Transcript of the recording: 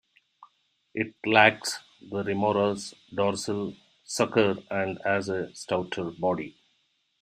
It lacks the remora's dorsal sucker and has a stouter body.